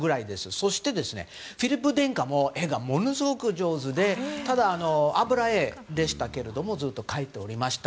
そしてフィリップ殿下も絵がものすごく上手でただ、油絵でしたけれどもずっと描いておりました。